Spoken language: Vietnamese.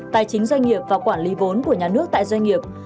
tài chính doanh nghiệp và quản lý vốn của nhà nước tại doanh nghiệp